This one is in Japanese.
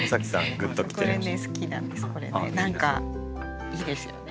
何かいいですよね。